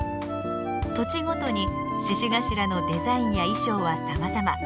土地ごとに鹿頭のデザインや衣装はさまざま。